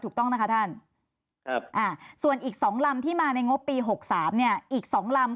ของเรือดำน้ำอีกสองลำคือ๒๒๕๐๐ถูกต้องนะคะ